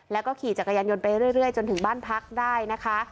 แล้วก็ขี่จักรยานยนต์ไปเรื่อยจนถึงบ้านพักได้นะคะ